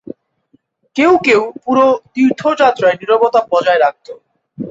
কেউ কেউ পুরো তীর্থযাত্রায় নীরবতা বজায় রাখত।